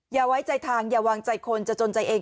อย่าไว้ใจทางอย่าวางใจคนจะจนใจเอง